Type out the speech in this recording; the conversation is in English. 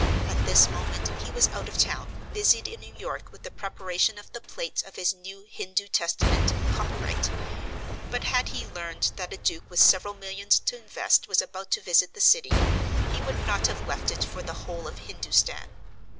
At this moment he was out of town, busied in New York with the preparation of the plates of his new Hindu Testament (copyright); but had he learned that a duke with several millions to invest was about to visit the city, he would not have left it for the whole of Hindustan.